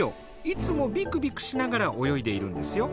いつもビクビクしながら泳いでいるんですよ。